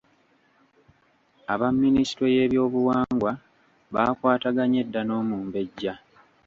Aba minisitule y’ebyobuwangwa baakwataganye dda n’omumbejja.